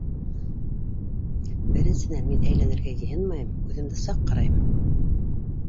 Беренсенән, мин әйләнергә йыйынмайым, үҙемде саҡ ҡарайым.